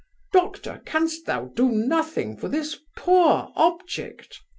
Doctor, can'st thou do nothing for this poor object?